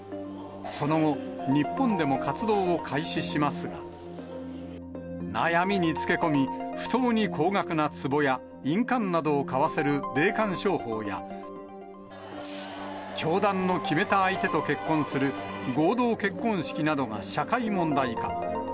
その後、日本でも活動を開始しますが、悩みにつけ込み、不当に高額なつぼや印鑑などを買わせる霊感商法や、教団の決めた相手と結婚する合同結婚式などが社会問題化。